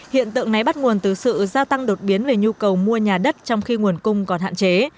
hiện tượng này bắt nguồn từ sự gia tăng đột biến về nhu cầu mua nhà đất trong khi nguồn cung còn hạn chế